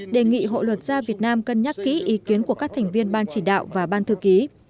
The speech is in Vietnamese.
đề nghị hội luật gia việt nam cân nhắc kỹ ý kiến của các thành viên ban chỉ đạo và ban thư ký